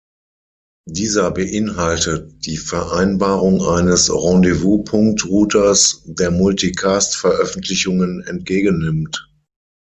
Dieser beinhaltet die Vereinbarung eines Rendezvous-Punkt-Routers, der Multicast-Veröffentlichungen entgegennimmt.